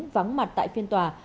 vắng mặt tại phiên tòa